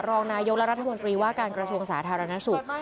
รองนายกและรัฐมนตรีว่าการกระทรวงสาธารณสุข